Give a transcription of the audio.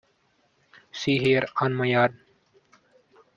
See here, on my arm!